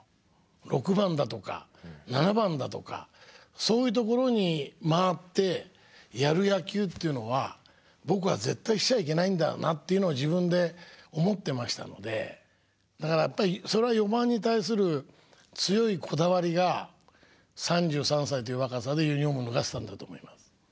６番だとか７番だとかそういうところに回ってやる野球というのは僕は絶対してはいけないんだよなっていうのを自分で思ってましたのでだからやっぱりそれは４番に対する強いこだわりが３３歳という若さでユニフォームを脱がせたんだと思います。